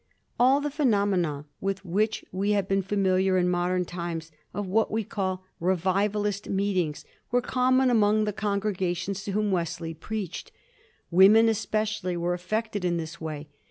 All the phenomena with which we have been familiar in modem times of what are called " revivalist " meetings were common among the congregations to whom Wesley preached. Women especially were affected in this way.